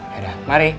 ya udah mari